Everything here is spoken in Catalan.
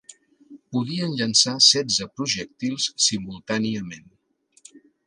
Podien llançar setze projectils simultàniament.